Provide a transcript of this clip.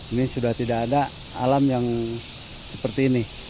ini sudah tidak ada alam yang seperti ini